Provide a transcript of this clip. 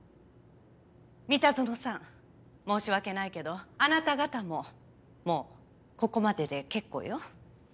三田園さん申し訳ないけどあなた方ももうここまでで結構よ。